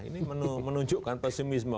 ini menunjukkan pesimisme